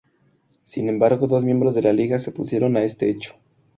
Sin embargo, dos miembros de la Liga se opusieron a este hecho.